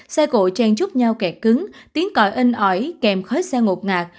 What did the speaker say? xe cộ chen chút nhau kẹt cứng tiếng còi inh ỏi kèm khói xe ngột ngạt